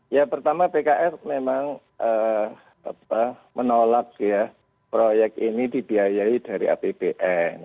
ya pertama pks memang menolak ya proyek ini dibiayai dari apbn